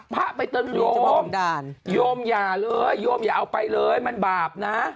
พระไปตึงโยมโยมอย่าเลยโยมอย่าเอาไปเลยมันบาปนะ